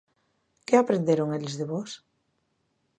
Que aprenderon eles de vós?